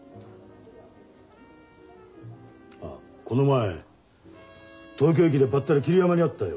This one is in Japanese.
あこの前東京駅でばったり桐山に会ったよ。